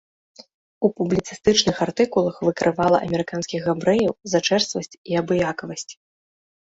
У публіцыстычных артыкулах выкрывала амерыканскіх габрэяў за чэрствасць і абыякавасць.